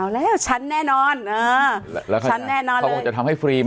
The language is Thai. อ่าเอาแล้วฉันแน่นอนอ่าฉันแน่นอนเลยเขาบอกจะทำให้ฟรีไหม